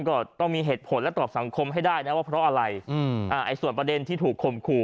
ก็ต้องมีเหตุผลและตอบสังคมให้ได้นะว่าเพราะอะไรส่วนประเด็นที่ถูกข่มขู่